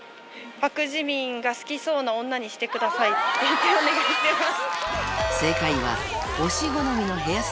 ってお願いしてます。